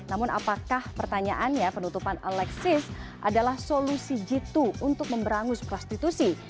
namun apakah pertanyaannya penutupan alexis adalah solusi jitu untuk memberangus prostitusi